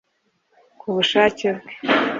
ku bushake bwe